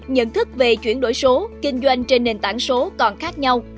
nhận thức về chuyển đổi số kinh doanh trên nền tảng số còn khác nhau